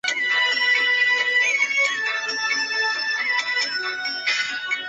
吐迷度被唐朝封为怀化大将军兼瀚海都督。